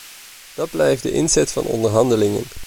Dat blijft de inzet van onderhandelingen.